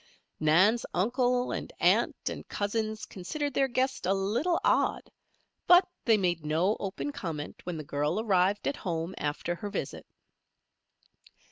Nan's uncle and aunt and cousins considered their guest a little odd; but they made no open comment when the girl arrived at home after her visit.